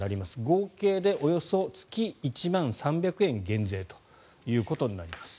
合計でおよそ月１万３００円減税ということになります。